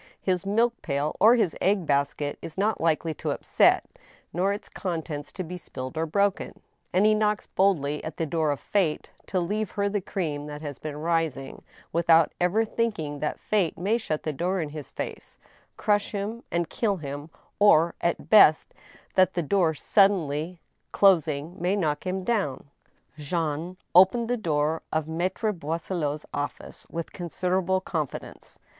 His milk paU or his egg basket is not likely to upset, nor its contents to be spilled or broken, and he knocks boldly at the door of Fate to leave her the cream that has been rising, without ever thinking that Fate may shut the door in his face, crush him and kill him, or, at best, that the door, suddenly closing, may knock him down. ... Jean opened the door of Maitre Boisselot's office with consider able confidence.